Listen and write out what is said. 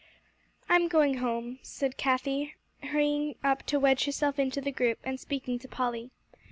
"I'm going home," said Cathie, hurrying up to wedge herself into the group, and speaking to Polly.